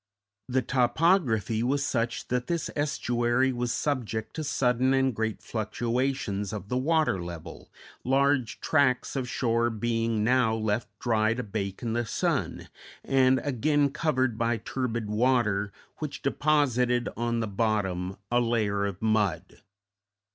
The topography was such that this estuary was subject to sudden and great fluctuations of the water level, large tracts of shore being now left dry to bake in the sun, and again covered by turbid water which deposited on the bottom a layer of mud.